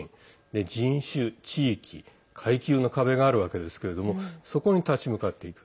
人種、地域、階級の壁があるわけですけれどもそこに立ち向かっていく。